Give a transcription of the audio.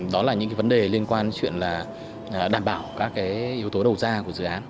đó là những cái vấn đề liên quan chuyện là đảm bảo các yếu tố đầu ra của dự án